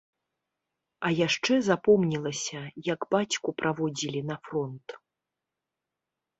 А яшчэ запомнілася, як бацьку праводзілі на фронт.